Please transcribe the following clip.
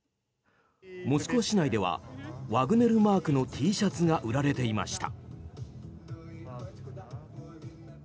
モスクワ市内ではワグネルマークのＴシャツが売られていました。